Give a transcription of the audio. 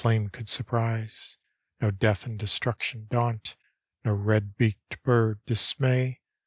ame could surprise, No death and destruction daunt, No red beaked bird dismay.